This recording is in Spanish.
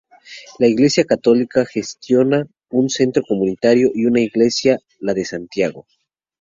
La Iglesia católica gestiona un centro comunitario y una iglesia, la de Santiago.